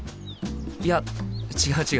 いや違う違う。